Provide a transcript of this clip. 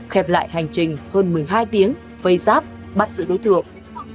khép lại hành trình hơn một mươi hai tiếng vây giáp bắt giữ đối tượng